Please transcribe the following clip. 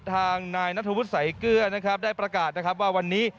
ทางนายนัทธวุฒิสายเกลือนะครับได้ประกาศนะครับว่าวันนี้